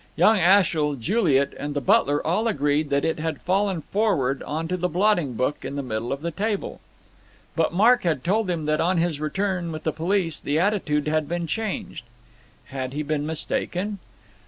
Young Ashiel, Juliet and the butler all agreed that it had fallen forward on to the blotting book in the middle of the table; but Mark had told him that on his return with the police the attitude had been changed. Had he been mistaken?